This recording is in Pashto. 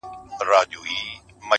اوس ولي نه وايي چي ښار نه پرېږدو؛